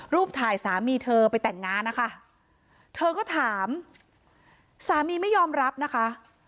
ถ่ายสามีเธอไปแต่งงานนะคะเธอก็ถามสามีไม่ยอมรับนะคะ